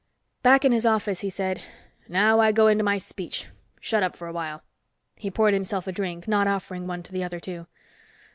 Back in his office he said, "Now I go into my speech. Shut up for a while." He poured himself a drink, not offering one to the other two.